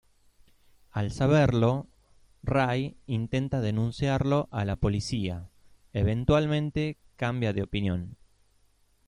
Al saberlo, Ray intenta denunciarlo a la policía, eventualmente cambia de opinión.